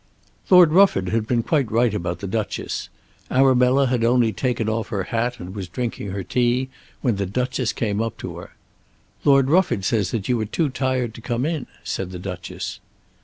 Lord Rufford had been quite right about the Duchess. Arabella had only taken off her hat and was drinking her tea when the Duchess came up to her. "Lord Rufford says that you were too tired to come in," said the Duchess.